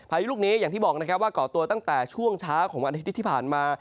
ยุลูกนี้อย่างที่บอกนะครับว่าก่อตัวตั้งแต่ช่วงเช้าของวันอาทิตย์ที่ผ่านมา